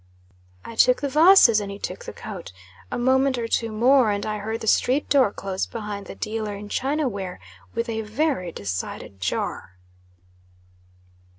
I took the vases and he took the coat. A moment or two more, and I heard the street door close behind the dealer in china ware, with a very decided jar.